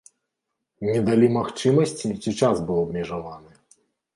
Не далі магчымасці ці час быў абмежаваны?